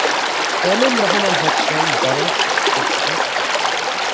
M M Rahman হচ্ছেন জনম সাক্ষীর সম্পাদক।